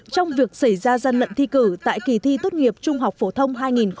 trong việc xảy ra gian lận thi cử tại kỳ thi tốt nghiệp trung học phổ thông hai nghìn hai mươi